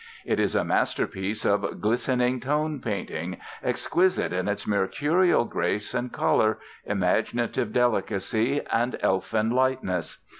It is a masterpiece of glistening tone painting, exquisite in its mercurial grace and color, imaginative delicacy and elfin lightness.